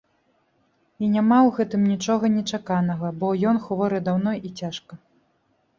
І няма ў гэтым нічога нечаканага, бо ён хворы даўно і цяжка.